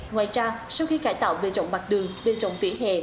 ngoài ra sau khi cải tạo về trọng mặt đường về trọng phía hẹ